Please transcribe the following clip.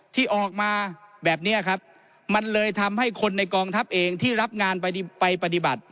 ที่ออกมาแบบนี้ครับมันเลยทำให้คนในกองทัพเองที่รับงานไปปฏิบัติ